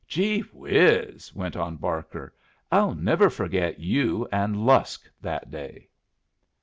"Gee whiz!" went on Barker, "I'll never forget you and Lusk that day!"